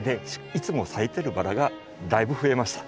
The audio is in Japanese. いつも咲いてるバラがだいぶ増えました。